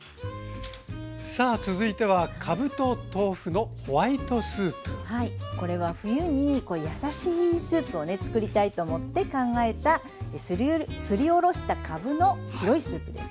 さあ続いてははいこれは冬に優しいスープをね作りたいと思って考えたすりおろしたかぶの白いスープです。